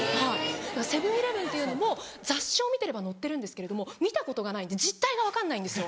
セブン−イレブンも雑誌を見てれば載ってるんですけれども見たことがないんで実態が分かんないんですよ。